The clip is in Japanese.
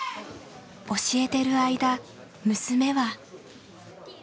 教えてる間娘は。